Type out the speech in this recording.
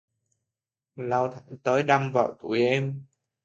lao thẳng tới đâm vào tụi em